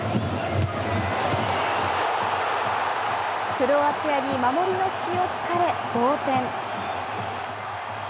クロアチアに守りの隙をつかれ同点。